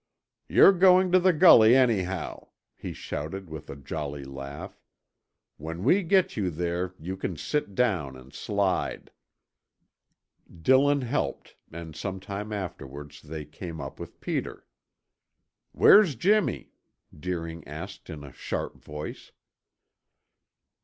"You're going to the gully, anyhow," he shouted with a jolly laugh. "When we get you there, you can sit down and slide." Dillon helped and some time afterwards they came up with Peter. "Where's Jimmy?" Deering asked in a sharp voice.